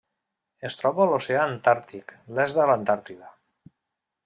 Es troba a l'oceà Antàrtic: l'est de l'Antàrtida.